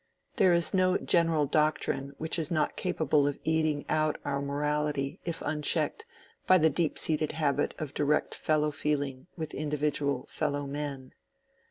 There is no general doctrine which is not capable of eating out our morality if unchecked by the deep seated habit of direct fellow feeling with individual fellow men.